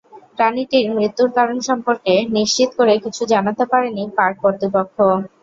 প্রাণীটির মৃত্যুর কারণ সম্পর্কে নিশ্চিত করে কিছু জানাতে পারেনি পার্ক কর্তৃপক্ষ।